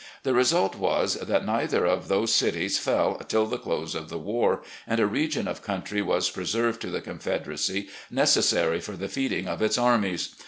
The result was that neither of those cities fell till the close of the war, and a region of country was preserved to the Con federacy necessary for the feeding of its armies.